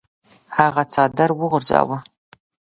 هغه څادر وغورځاوه.